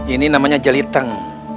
ini namanya jeliteng